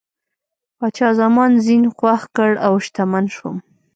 پاچا زما زین خوښ کړ او شتمن شوم.